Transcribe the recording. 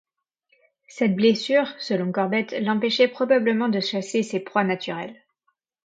Cette blessure, selon Corbett, l'empêchait probablement de chasser ses proies naturelles.